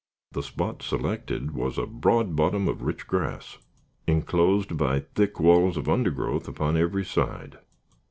The spot selected was a broad bottom of rich grass, inclosed by thick walls of undergrowth upon every side.